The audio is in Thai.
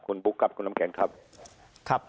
คุณบุ๊คครับคุณน้ำแข็งครับ